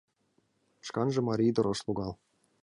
Шканже марий ӱдыр ыш логал.